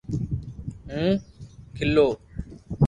ھون کيلو